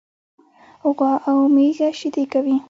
غوا او میږه شيدي کوي.